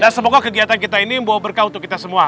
dan semoga kegiatan kita ini membawa berkah untuk kita semua